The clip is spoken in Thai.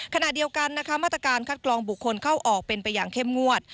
ขณะเดียวกันนะคะมาตรการคัดกรองบุคคลเข้าออกเป็นไปอย่างเข้มงวด